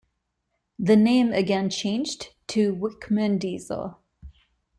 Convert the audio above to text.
The name again changed, to Wichmann Diesel.